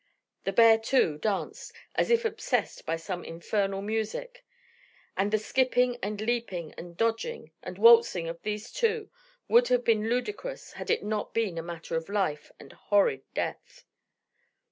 The bear, too, danced, as if obsessed by some infernal music; and the skipping, and leaping, and dodging, and waltzing of these two would have been ludicrous had it not been a matter of life and horrid death.